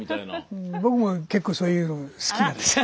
うん僕も結構そういうの好きなんですよ。